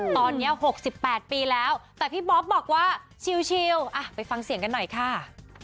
ตอนนี้๖๘ปีแล้วแต่พี่บ๊อบบอกว่าชิลไปฟังเสียงกันหน่อยค่ะ